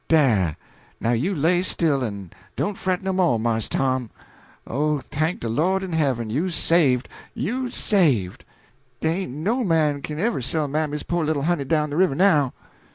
Dah now you lay still en don't fret no mo', Marse Tom oh, thank de good Lord in heaven, you's saved, you's saved! dey ain't no man kin ever sell mammy's po' little honey down de river now!"